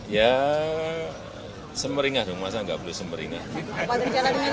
ya semeringan dong masa enggak perlu semeringan